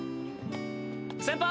先輩！